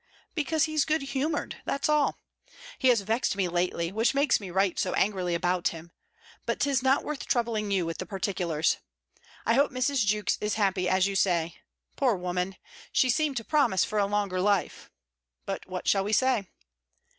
Because he is good humoured, that's all. He has vexed me lately, which makes me write so angrily about him But 'tis not worth troubling you with the particulars. I hope Mrs. Jewkes is happy, as you say! Poor woman! she seemed to promise for a longer life! But what shall we say?